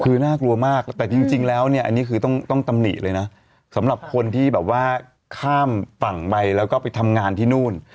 คือน่ากลัวมากแต่จริงแล้วเนี่ยอันนี้คือต้องตำหนิเลยนะสำหรับคนที่แบบว่าข้ามฝั่งไปแล้วก็ไปทำงานที่นู่น